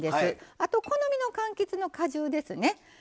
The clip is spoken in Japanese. あとは好みのかんきつの果汁ですね。